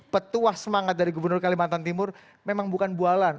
petuah semangat dari gubernur kalimantan timur memang bukan bualan